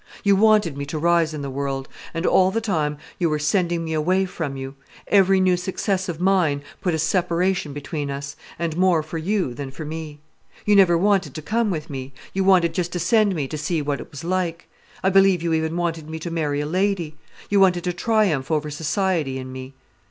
You wanted me to rise in the world. And all the time you were sending me away from you—every new success of mine put a separation between us, and more for you than for me. You never wanted to come with me: you wanted just to send me to see what it was like. I believe you even wanted me to marry a lady. You wanted to triumph over society in me."